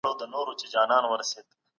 د کار ځواک پراختیا د اوږدمهاله ودي بنسټ دی.